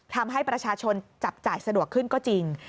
ทำให้ประชาชนจับจ่ายสะดวกขึ้นก็จริง